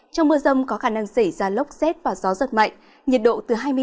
trong mưa rông có khả năng xảy ra lốc xét và gió giật mạnh nhiệt độ từ hai mươi bốn ba mươi ba độ